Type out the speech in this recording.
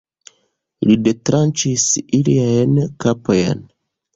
Li detranĉis iliajn kapojn.